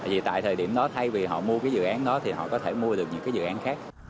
vì tại thời điểm đó thay vì họ mua cái dự án đó thì họ có thể mua được những cái dự án khác